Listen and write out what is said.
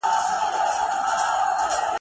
زه لکه سیوری بې اختیاره ځمه ..